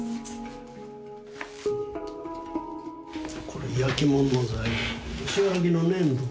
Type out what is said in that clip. これ焼きもんの材料。